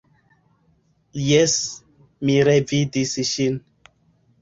Jes, mi revidis ŝin.